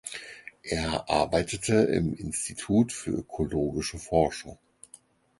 Er arbeitete im Institut für ökologische Forschung.